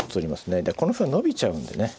でこの歩が伸びちゃうんでね。